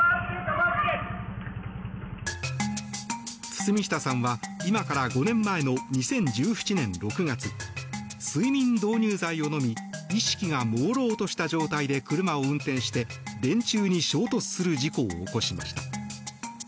堤下さんは今から５年前の２０１７年６月睡眠導入剤を飲み意識がもうろうとした状態で車を運転して、電柱に衝突する事故を起こしました。